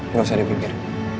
lu gak usah dipikir